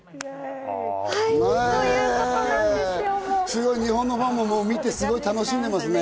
すごい日本のファンも見てすごく楽しんでいますね。